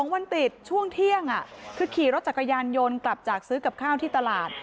วันติดช่วงเที่ยงคือขี่รถจักรยานยนต์กลับจากซื้อกับข้าวที่ตลาด